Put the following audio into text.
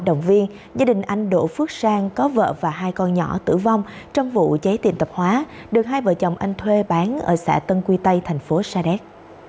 động viên gia đình anh đỗ phước sang có vợ và hai con nhỏ tử vong trong vụ cháy tiệm tạp hóa được hai vợ chồng anh thuê bán ở xã tân quy tây thành phố sa đéc